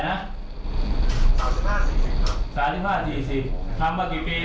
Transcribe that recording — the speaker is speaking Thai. ประมาณ๓ปีครับ